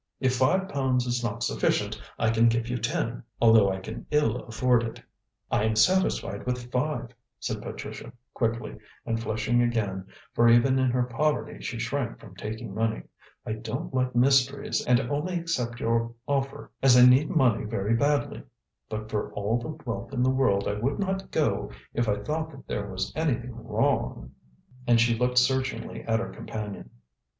If five pounds is not sufficient, I can give you ten, although I can ill afford it." "I am satisfied with five," said Patricia quickly, and flushing again, for even in her poverty she shrank from taking money. "I don't like mysteries, and only accept your offer as I need money very badly. But for all the wealth in the world I would not go if I thought that there was anything wrong," and she looked searchingly at her companion.